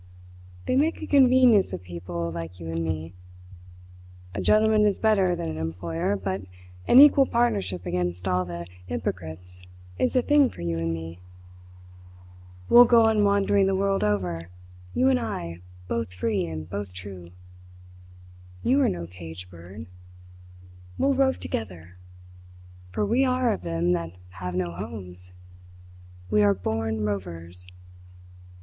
They make a convenience of people like you and me. A gentleman is better than an employer, but an equal partnership against all the 'yporcrits is the thing for you and me. We'll go on wandering the world over, you and I both free and both true. You are no cage bird. We'll rove together, for we are of them that have no homes. We are born rovers!"